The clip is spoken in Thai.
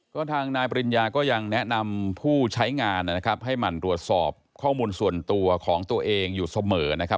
ก็ทางนายปริญญาก็ยังแนะนำผู้ใช้งานนะครับให้หมั่นตรวจสอบข้อมูลส่วนตัวของตัวเองอยู่เสมอนะครับ